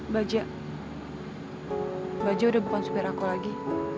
baja baja udah bukan supir aku lagi